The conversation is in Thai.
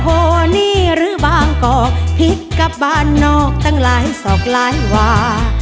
โอ้โหนี่หรือบางก็พิกกับบ้านนอกตั้งหลายสองลายหว่า